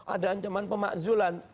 ada ancaman pemakzulan